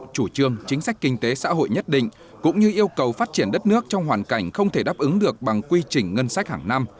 chủ trương chính sách kinh tế xã hội nhất định cũng như yêu cầu phát triển đất nước trong hoàn cảnh không thể đáp ứng được bằng quy trình ngân sách hàng năm